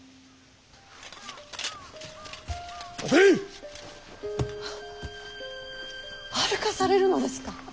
立て！あ歩かされるのですか？